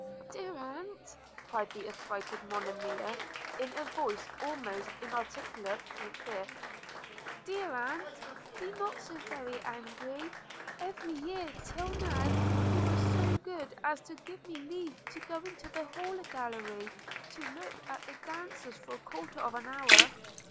'Dear aunt,' cried the affrighted Monimia, in a voice almost inarticulate through fear – 'Dear aunt! be not so very angry – Every year till now you were so good as to give me leave to go into the hall gallery to look at the dancers for a quarter of an hour.